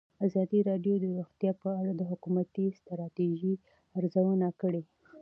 ازادي راډیو د روغتیا په اړه د حکومتي ستراتیژۍ ارزونه کړې.